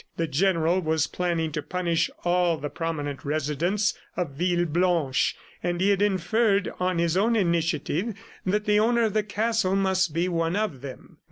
The General was planning to punish all the prominent residents of Villeblanche, and he had inferred, on his own initiative, that the owner of the castle must be one of them.